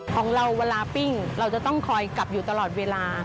ของเราเวลาปิ้งเราจะต้องคอยกลับอยู่ตลอดเวลา